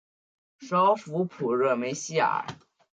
首府普热梅希尔。